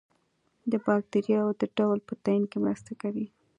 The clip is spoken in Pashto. د باکتریاوو د ډول په تعین کې مرسته کوي.